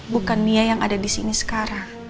bukan nia yang ada disini sekarang